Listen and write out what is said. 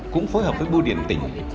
cũng phối hợp với bưu điện tỉnh